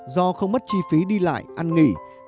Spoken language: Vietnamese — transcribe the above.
do không mất chi phí đi lại ăn nghỉ